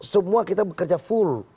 semua kita bekerja full